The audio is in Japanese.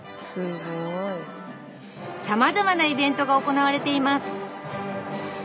さまざまなイベントが行われています。